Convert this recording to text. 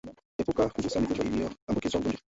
Epuka kugusa mifugo iliyoambukizwa ugonjwa